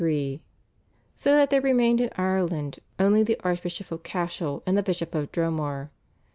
So that there remained in Ireland only the Archbishop of Cashel and the Bishop of Dromore.